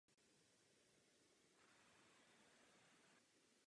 Kromě toho docházelo i ke změnám v konstrukci a celkového vzhledu traktoru.